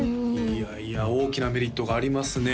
いやいや大きなメリットがありますね